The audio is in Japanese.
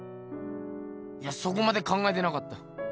いやそこまで考えてなかった。